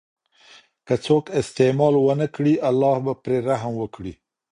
که څوک استعمال ونکړي، الله به پرې رحم وکړي.